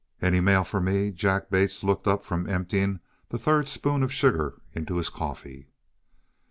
"Any mail for me?" Jack Bates looked up from emptying the third spoon of sugar into his coffee.